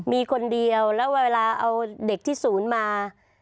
มีคนเดียวแล้วเวลาเอาเด็กที่ศูนย์มา